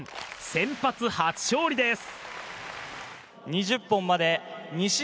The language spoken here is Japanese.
先発初勝利です。